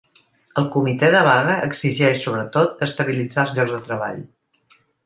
El comitè de vaga exigeix sobretot d’estabilitzar els llocs de treball.